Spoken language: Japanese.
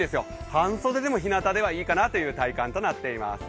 半袖でもひなたではいいかなという、体感となっています。